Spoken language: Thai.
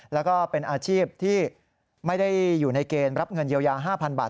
แล้วก็เป็นอาชีพที่ไม่ได้อยู่ในเกณฑ์รับเงินเยียวยา๕๐๐บาท